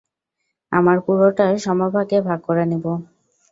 আমরা পুরোটা সমভাগে ভাগ করে নিবো।